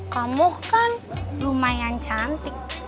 kamu kan lumayan cantik